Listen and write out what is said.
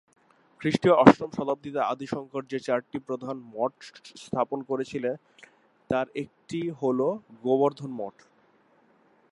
খ্রিস্টীয় অষ্টম শতাব্দীতে আদি শঙ্কর যে চারটি প্রধান মঠ স্থাপন করেছিলেন, তার একটি হল এই গোবর্ধন মঠ।